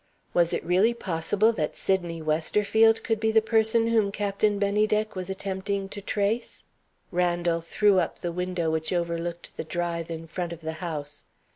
Was it really possible that Sydney Westerfield could be the person whom Captain Bennydeck was attempting to trace? Randal threw up the window which overlooked the drive in front of the house.